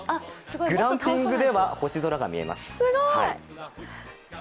グランピングでは星空が見えます。